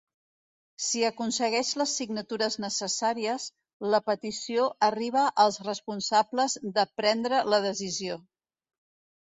Si aconsegueix les signatures necessàries, la petició arriba als responsables de prendre la decisió.